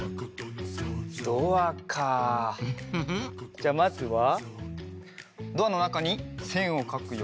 じゃあまずはドアのなかにせんをかくよ。